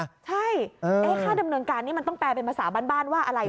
ใช่ค่าดำเนินการนี้มันต้องแปลเป็นภาษาบ้านว่าอะไร